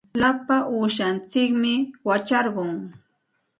Lapa uushantsikmi wacharqun.